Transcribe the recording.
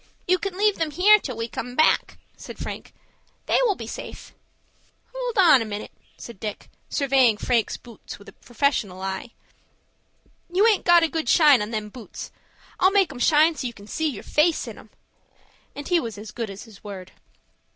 "You can leave them here till we come back," said Frank. "They will be safe." "Hold on a minute," said Dick, surveying Frank's boots with a professional eye, "you aint got a good shine on them boots. I'll make 'em shine so you can see your face in 'em." And he was as good as his word.